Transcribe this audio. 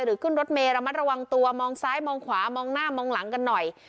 ขึ้นรถเมย์ระมัดระวังตัวมองซ้ายมองขวามองหน้ามองหลังกันหน่อย